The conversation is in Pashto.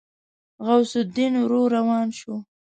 غوث الدين ورو روان شو.